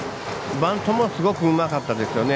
バントもすごくうまかったですよね。